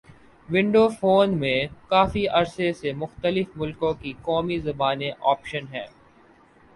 window phone میں کافی عرصے سے مختلف ملکوں کی قومی زبان آپشن ہے